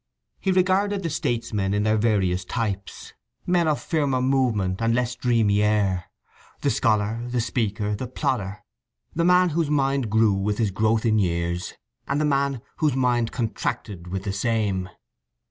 He regarded the statesmen in their various types, men of firmer movement and less dreamy air; the scholar, the speaker, the plodder; the man whose mind grew with his growth in years, and the man whose mind contracted with the same.